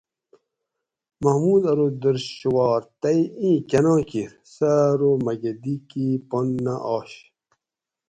محمود ارو درشھوار تئ ایں کۤنا کیر؟ سہ ارو مکہ دی کیئ پن نہ آش